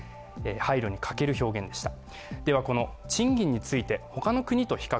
配慮に欠ける表現でした。